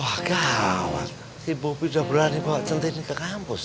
wah gawat si bobby udah berani bawa centini ke kampus